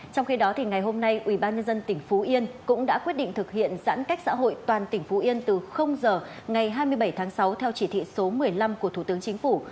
trong khi đó ngày hôm nay ubnd tỉnh phú yên cũng đã quyết định thực hiện giãn cách xã hội toàn tỉnh phú yên từ giờ ngày hai mươi bảy tháng sáu theo chỉ thị số một mươi năm của thủ tướng chính phủ